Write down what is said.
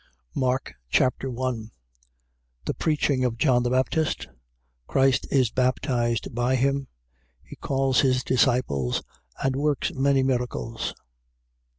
Mark Chapter 1 The preaching of John the Baptist. Christ is baptized by him. He calls his disciples and works many miracles.